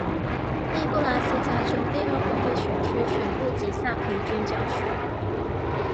内布拉斯加州第二国会选区全部及萨皮郡郊区。